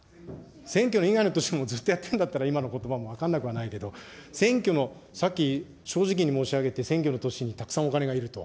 選挙以外の年もずっとやってんだったら、今のことばも分かんなくはないけど、選挙の、さっき正直に申し上げて、選挙の年にたくさんお金がいると。